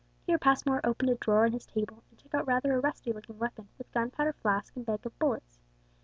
Here Passmore opened a drawer in his table, and took out rather a rusty looking weapon, with gunpowder flask, and bag of bullets.